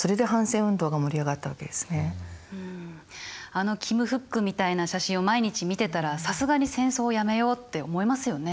あのキム・フックみたいな写真を毎日見てたらさすがに戦争やめようって思いますよね。